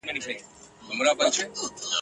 له یوه کوهي را وزي بل ته لوېږي !.